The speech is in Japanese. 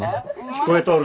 聞こえとるど。